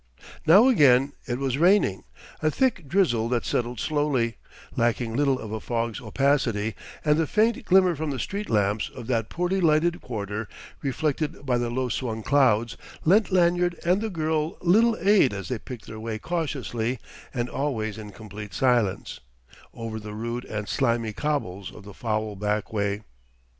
Now again it was raining, a thick drizzle that settled slowly, lacking little of a fog's opacity; and the faint glimmer from the street lamps of that poorly lighted quarter, reflected by the low swung clouds, lent Lanyard and the girl little aid as they picked their way cautiously, and always in complete silence, over the rude and slimy cobbles of the foul back way.